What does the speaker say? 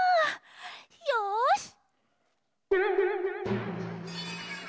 よし！